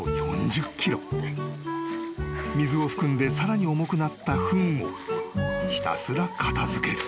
［水を含んでさらに重くなったふんをひたすら片付ける］